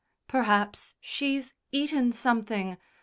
"Perhaps she's eaten something?"